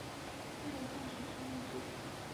现在的站舍是内置的。